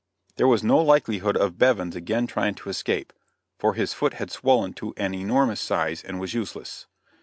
There was no likelihood of Bevins again trying to escape, for his foot had swollen to an enormous size, and was useless.